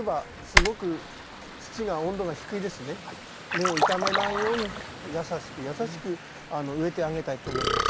根を傷めないように優しく優しく植えてあげたいと思います。